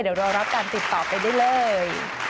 เดี๋ยวรอรับการติดต่อไปได้เลย